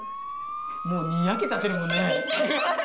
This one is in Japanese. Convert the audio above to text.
もうにやけちゃってるもんね。